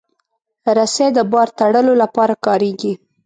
رسۍ د بار تړلو لپاره کارېږي.